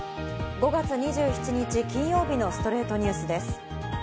５月２７日、金曜日の『ストレイトニュース』です。